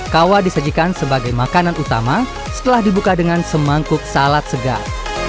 kawa disajikan sebagai makanan utama setelah dibuka dengan semangkuk salad segar